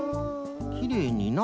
きれいにな。